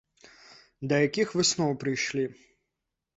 Да якіх высноў прыйшлі?